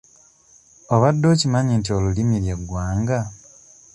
Obadde okimanyi nti olulimi lye ggwanga?